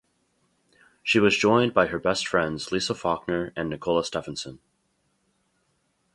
She was joined by her best friends Lisa Faulkner and Nicola Stephenson.